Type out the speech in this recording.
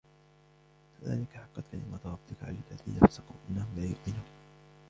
كَذَلِكَ حَقَّتْ كَلِمَتُ رَبِّكَ عَلَى الَّذِينَ فَسَقُوا أَنَّهُمْ لَا يُؤْمِنُونَ